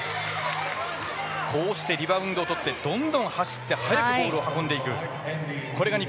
こうしてリバウンドをとってどんどん走って速くボールを運んでいく。